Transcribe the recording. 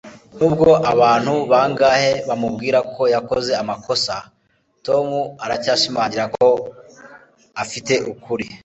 nubwo abantu bangahe bamubwira ko yakoze amakosa, tom aracyashimangira ko afite ukuri